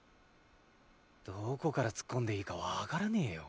どこからツッコんでいいかわからねえよ。